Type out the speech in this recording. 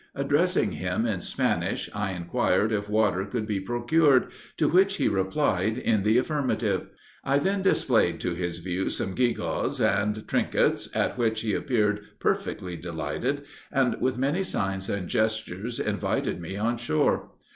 Addressing him in Spanish, I inquired if water could be procured, to which he replied in the affirmative. I then displayed to his view some gewgaws and trinkets, at which he appeared perfectly delighted, and, with many signs and gestures, invited me on shore.